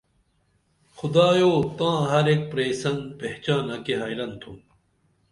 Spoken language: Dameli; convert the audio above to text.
خدایو تاں ہر ایکہ پرئسن پہچانہ کی حیرن تُھم